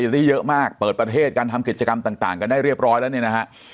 ได้เยอะมากเปิดประเทศการทำกิจกรรมต่างกันได้เรียบร้อยแล้วเนี่ยนะฮะ